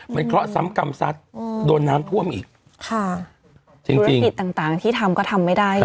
มันเคราะห์ซ้ำกรรมซัดอืมโดนน้ำท่วมอีกค่ะจริงธุรกิจต่างต่างที่ทำก็ทำไม่ได้